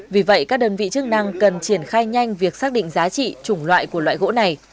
vì vậy các đơn vị chức năng cần triển khai nhanh việc xác định giá trị chủng loại của loại gỗ này